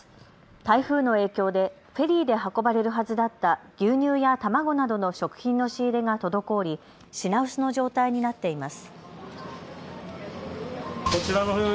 台風の影響でフェリーで運ばれるはずだった牛乳や卵などの食品の仕入れが滞り品薄の状態になっています。